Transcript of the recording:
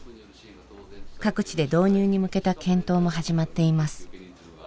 各地で導入に向けた検討も始まっています。